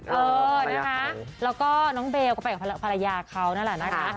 เออนะคะน้องเบโอผ่าไปกับภรรยาเขานั่นละนะคะ